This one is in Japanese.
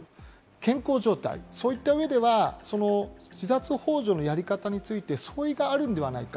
健康状態、そういった上では、自殺ほう助のやり方について相違があるのではないか？